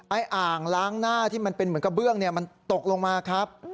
อ่างล้างหน้าที่มันเป็นเหมือนกระเบื้องมันตกลงมาครับ